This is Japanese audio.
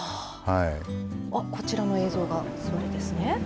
こちらの映像がそれですね。